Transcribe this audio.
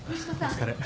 お疲れ。